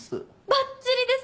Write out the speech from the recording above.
ばっちりです！